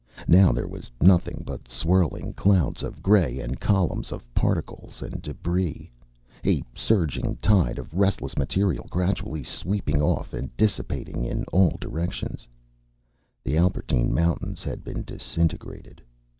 Now there was nothing but swirling clouds of gray and columns of particles and debris, a surging tide of restless material gradually sweeping off and dissipating in all directions. The Albertine Mountains had been disintegrated.